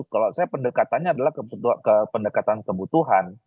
kalau saya pendekatannya adalah ke pendekatan kebutuhan